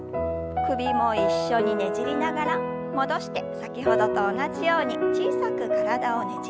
首も一緒にねじりながら戻して先ほどと同じように小さく体をねじります。